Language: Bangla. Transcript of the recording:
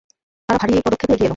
তারা ভারি পদক্ষেপে এগিয়ে এল।